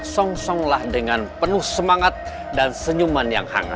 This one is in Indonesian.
songsonglah dengan penuh semangat dan senyuman yang hangat